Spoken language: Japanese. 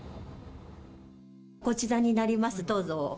こちらになりますどうぞ。